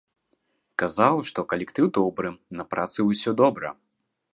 Казаў, што калектыў добры, на працы усё добра.